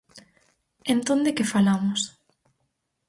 ¿Entón de que falamos?